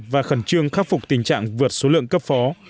và khẩn trương khắc phục tình trạng vượt số lượng cấp phó